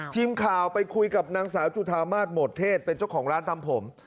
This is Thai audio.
ทีมข่าวไปคุยกับนางสาวจุธามาศโหมดเทศเป็นเจ้าของร้านทำผม